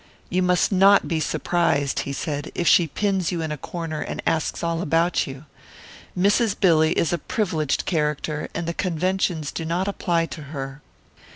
"You must not be surprised," he said, "if she pins you in a corner and asks all about you. Mrs. Billy is a privileged character, and the conventions do not apply to her."